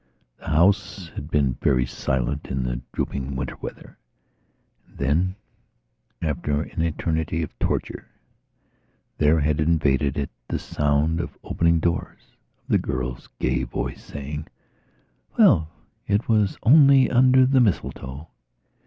The house had been very silent in the drooping winter weather. And then, after an eternity of torture, there had invaded it the sound of opening doors, of the girl's gay voice saying: "Well, it was only under the mistletoe."...